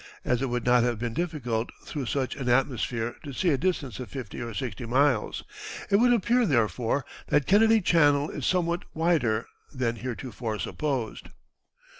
As it would not have been difficult through such an atmosphere to see a distance of fifty or sixty miles, it would appear therefore that Kennedy Channel is somewhat wider than heretofore supposed."